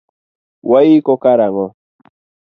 Waiko karango